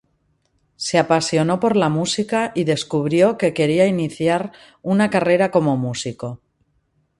Se apasionó por la música y descubrió que quería iniciar una carrera como músico.